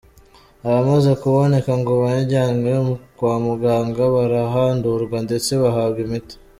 Abamaze kuboneka ngo bajyanywe kwa muganga barahandurwa ndetse bahabwa imiti.